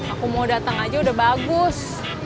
aku mau datang aja udah bagus